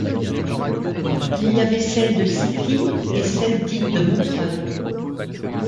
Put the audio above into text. Il y avait celle de Ciply et celle dite de Montroeul.